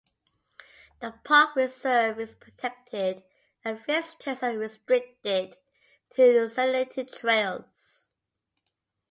The park reserve is protected and visitors are restricted to designated trails.